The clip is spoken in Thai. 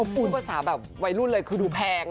พูดภาษาแบบวัยรุ่นเลยคือดูแพง